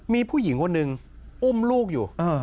มีผู้หญิงคนหนึ่งอุ้มลูกอยู่